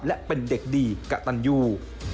และเป็นเด็กดีกะตันยู